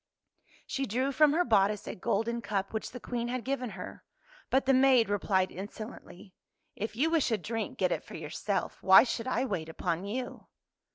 She drew from her bodice a golden cup which the Queen had given her; but the maid replied insolently, " If you wish a drink, get it for yourself. Why should I wait upon you?